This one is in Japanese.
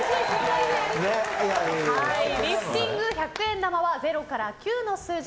リフティング、百円玉は０から９の数字。